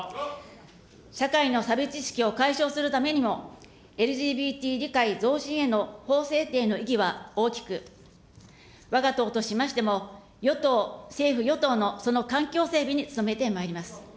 社会の差別意識を解消するためにも、ＬＧＢＴ理解増進への法制定の意義は大きく、わが党としましても、政府・与党のその環境整備に努めてまいります。